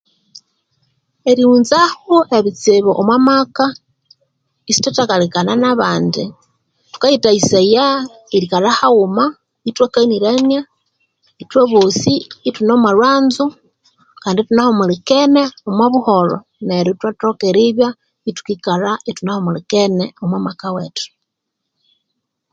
Erivhunzaho ebitsibu omwa maka isithwathakakalikana nabandi thukayithayisaya erikalha haghuma ithakanirania ithwaboosi ithune omwalhwanzo kandi ithunahumulikene omwa buholho neryo ithwathoka erbya ithunahumulikene omwa maka wethu